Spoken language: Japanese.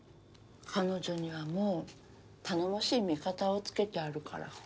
彼女にはもう頼もしい味方をつけてあるから。